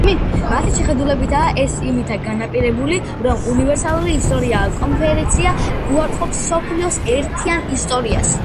მათი შეხედულებით ეს იმითაა განპირობებული, რომ „უნივერსალური ისტორია“ კონცეფცია უარყოფს მსოფლიოს ერთიან ისტორიას.